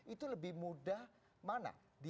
itu lebih mudah mana